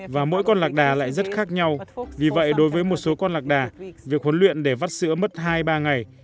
và mỗi con lạc đà lại rất khác nhau vì vậy đối với một số con lạc đà việc huấn luyện để vắt sữa mất hai ba ngày